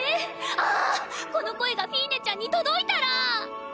ああこの声がフィーネちゃんに届いたら！